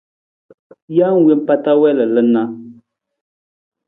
Jee wompa ta wii lalan na.